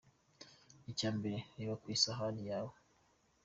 Icya mbere : reba ku isahani yawe.